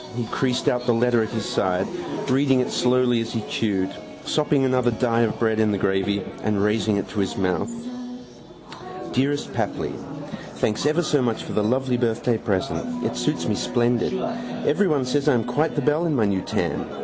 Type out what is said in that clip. He creased out the letter at his side, reading it slowly as he chewed, sopping another die of bread in the gravy and raising it to his mouth. Dearest Papli Thanks ever so much for the lovely birthday present. It suits me splendid. Everyone says I am quite the belle in my new tam.